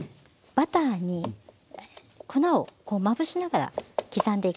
バターに粉をまぶしながら刻んでいくんですね。